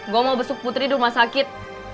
gue mau besuk putri di rumah sakit